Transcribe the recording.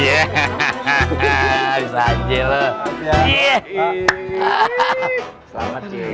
ya biar cepet nikah